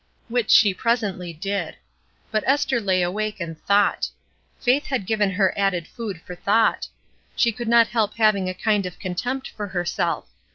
Which she presently did. But Esther lay awake and thought. Faith had given her added food for thought. She could not help having a kind of contempt for herself.